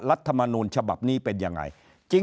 รัฐมนูลฉบับนี้เป็นยังไง